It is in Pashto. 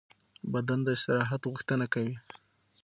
بدن د استراحت غوښتنه کوي.